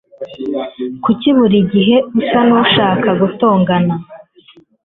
Kuki buri gihe usa nkushaka gutongana?